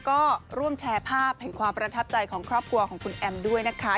ก็ร่วมแชร์ภาพแห่งความประทับใจของครอบครัวของคุณแอมด้วยนะคะ